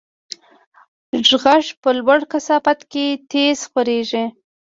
غږ په لوړه کثافت کې تېز خپرېږي.